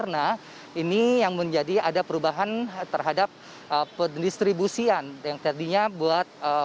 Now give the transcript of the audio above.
nah ini yang menjadi ada perubahan terhadap pendistribusian yang tadinya buat